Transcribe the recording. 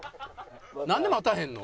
なんで待たへんの？